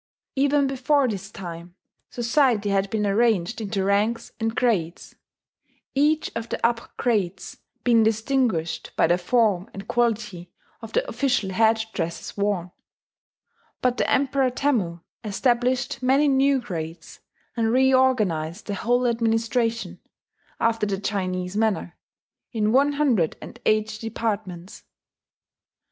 Even before this time society had been arranged into ranks and grades, each of the upper grades being distinguished by the form and quality of the official head dresses worn; but the Emperor Temmu established many new grades, and reorganized the whole administration, after the Chinese manner, in one hundred and eight departments.